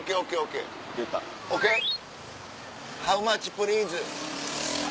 ハウマッチプリーズ。